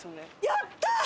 やったー！